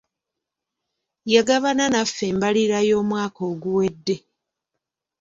Yagabana naffe embalirira y'omwaka oguwedde.